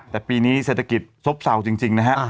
แต่ปีนี้เศรษฐกิจซบเศร้าจริงนะฮะ